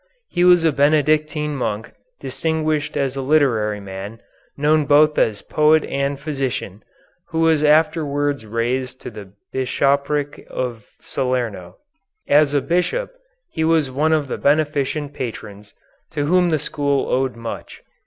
He was a Benedictine monk, distinguished as a literary man, known both as poet and physician, who was afterwards raised to the Bishopric of Salerno. As a bishop he was one of the beneficent patrons, to whom the school owed much.